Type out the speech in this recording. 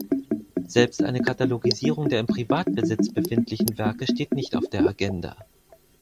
Selbst eine Katalogisierung der im Privatbesitz befindlichen Werke steht nicht auf der Agenda.